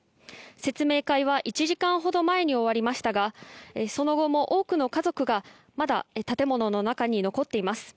説明会は１時間ほど前に終わりましたがその後も多くの家族がまだ建物の中に残っています。